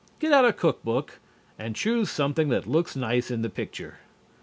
Get out a cook book and choose something that looks nice in the picture.